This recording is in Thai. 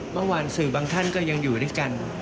เมื่อวานสื่อบางท่านก็ยังอยู่ด้วยกัน